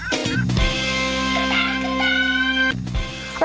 กำลังมาขอบคุณขอบคุณครับ